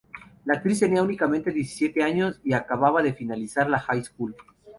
La actriz tenía únicamente diecisiete años, y acababa de finalizar la high school.